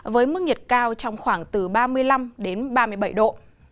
với mức nhiệt cao trong khoảng từ ba mươi năm đến ba mươi bảy độ